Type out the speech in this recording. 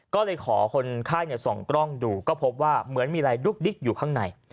ก็เลยขอคนไข้ส่องกล้องดูก็พบว่าเหมือนมีอะไรดุ๊กดิ๊กอยู่ข้างใน